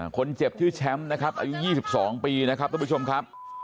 คนเจ็บชื่อแชมป์นะครับอายุ๒๒ปีนะครับทุกผู้ชมครับ